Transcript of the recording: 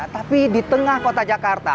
tapi di tengah kota jakarta